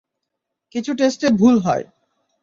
কিছু টেস্টে ভুল হয়।